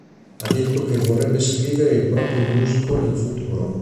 Ha detto che vorrebbe scrivere il proprio musical in futuro.